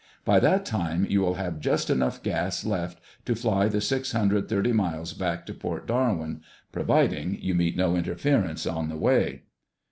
By that time you will have just enough gas left to fly the six hundred thirty miles back to Port Darwin—providing you meet no interference on the way."